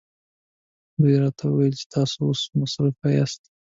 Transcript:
دوی راته وویل چې تاسو اوس مصروفه یاست.